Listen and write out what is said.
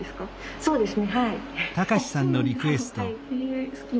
そうですね。